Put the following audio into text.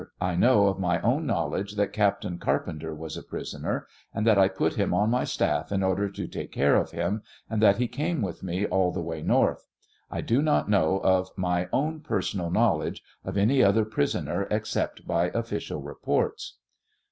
I know of my own knowledge that Captain Car penter was a prisoner, and that I put him on my staff in order to take care of him, and that he came with me all the way North ; I. do not know of my own personal knowledge of any other prisoner except by official re ports.